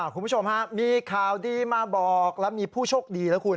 คุณผู้ชมฮะมีข่าวดีมาบอกแล้วมีผู้โชคดีนะคุณ